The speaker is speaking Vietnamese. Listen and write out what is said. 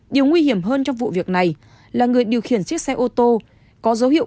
điều nguy hiểm hơn trong vụ việc này là người điều khiển chiếc xe ô tô có dấu hiệu